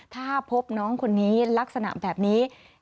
ถ้าพบน้องคนนี้ลักษณะแบบนี้